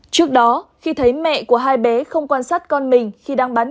trước đó khi thấy mẹ của hai bé không quan sát con mình khi đang bán